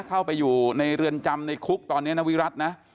เข้าไปอยู่ในเรือนจำในคุกตอนนี้นวิรัตินะ